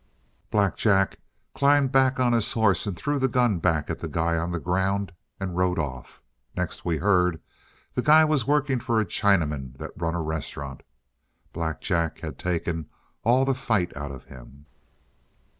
Black Jack climbed back on his horse and threw the gun back at the guy on the ground and rode off. Next we heard, the guy was working for a Chinaman that run a restaurant. Black Jack had taken all the fight out of him."